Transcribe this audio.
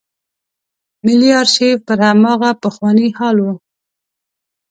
ملي آرشیف پر هماغه پخواني حال و.